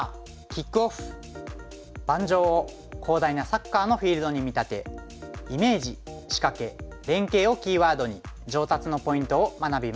盤上を広大なサッカーのフィールドに見立て「イメージ」「仕掛け」「連携」をキーワードに上達のポイントを学びます。